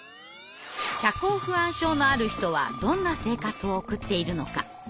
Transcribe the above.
社交不安症のある人はどんな生活を送っているのか。